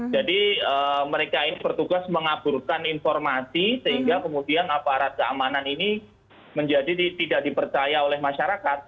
mereka ini bertugas mengaburkan informasi sehingga kemudian aparat keamanan ini menjadi tidak dipercaya oleh masyarakat